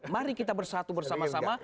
mari kita bersatu bersama sama